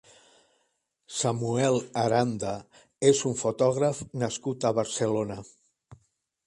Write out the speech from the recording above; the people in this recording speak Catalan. Samuel Aranda és un fotògraf nascut a Barcelona.